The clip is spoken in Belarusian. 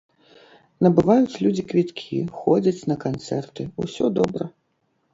Набываюць людзі квіткі, ходзяць на канцэрты, усё добра.